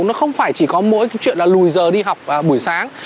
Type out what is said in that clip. nó không phải chỉ có mỗi cái chuyện là lùi giờ đi học buổi sáng